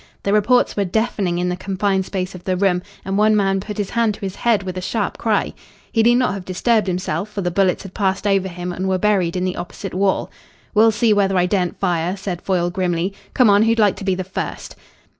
The reports were deafening in the confined space of the room, and one man put his hand to his head with a sharp cry. He need not have disturbed himself, for the bullets had passed over him and were buried in the opposite wall. "We'll see whether I daren't fire," said Foyle grimly. "Come on. Who'd like to be the first?"